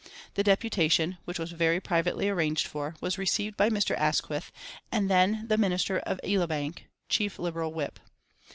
The deputation, which was very privately arranged for, was received by Mr. Asquith, and the then Master of Elibank (Chief Liberal Whip).